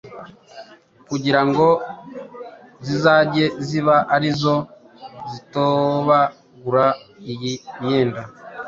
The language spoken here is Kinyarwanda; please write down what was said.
kugira ngo zizajye ziba ari zo zitobagura iyi myenda